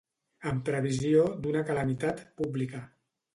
En previsió d'una calamitat pública.